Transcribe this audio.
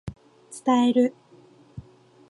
伝える